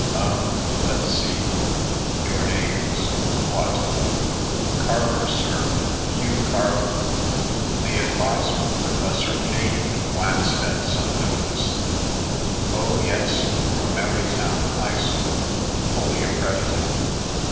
"Um, let's see. Your name's what?" "Carver, sir. Hugh Carver." The adviser, Professor Kane, glanced at some notes. "Oh, yes, from Merrytown High School, fully accredited.